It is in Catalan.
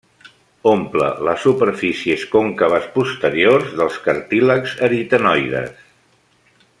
Omple les superfícies còncaves posteriors dels cartílags aritenoides.